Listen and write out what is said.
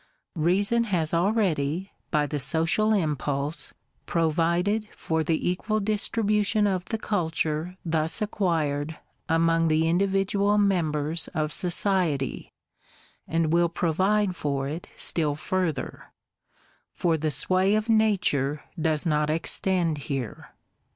Reason has already, by the social impulse, provided for the equal distribution of the culture thus acquired among the individual members of society, and will provide for it still further; for the sway of Nature does not extend here.